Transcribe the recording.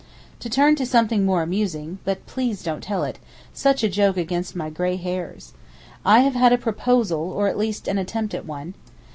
To turn to something more amusing—but please don't tell it—such a joke against my gray hairs. I have had a proposal, or at least an attempt at one.